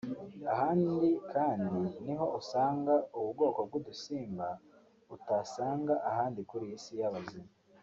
Aha kandi niho usanga ubu bwoko bw’udusimba utasanga ahandi kuri iyi si y’abazima